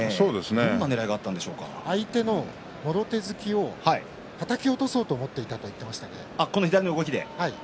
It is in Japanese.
どんなねらいが相手のもろ手突きをはたき落とそうと思っていたと言っていました。